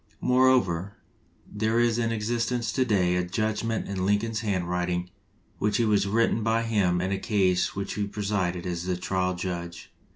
Moreover, there is in existence to day a judgment in Lincoln's handwriting which was written by him in a case in which he presided as the trial judge.